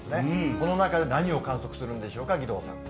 この中で何を観測するんでしょうか、義堂さん。